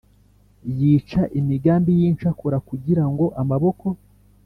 Yica imigambi y incakura kugira ngo amaboko